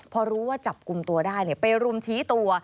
พอรู้ว่าจับกลุ่มตัวได้ไปรุมชี้ตัว